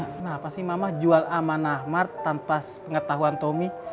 kenapa sih mama jual aman ahmad tanpa pengetahuan tommy